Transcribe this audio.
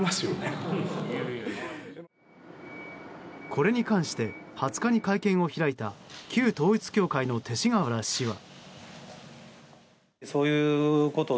これに関して２０日に会見を開いた旧統一教会の勅使河原氏は。